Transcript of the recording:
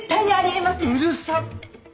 うるさっ！